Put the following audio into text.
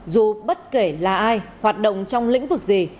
dù bất kể là ai hoạt động trong lĩnh vực gì